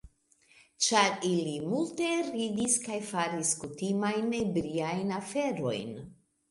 Ĉar ili multe ridis kaj faris kutimajn ebriajn aferojn.